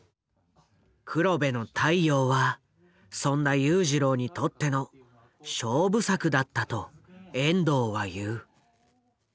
「黒部の太陽」はそんな裕次郎にとっての勝負作だったと遠藤は言う。